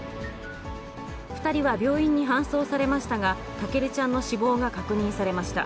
２人は病院に搬送されましたが、丈瑠ちゃんの死亡が確認されました。